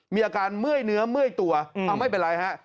มีอาการเมื่อยเนื้อเมื่อยตัวเอาไม่เป็นไรฮะ